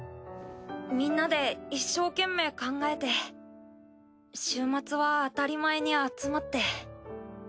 みんなで一生懸命考えて週末は当たり前に集まって。